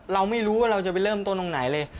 เราไม่รู้ว่าเราจะไปเริ่มต้นตรงไหนเลย